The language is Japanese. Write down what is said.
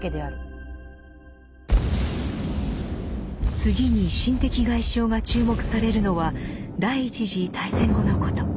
次に心的外傷が注目されるのは第一次大戦後のこと。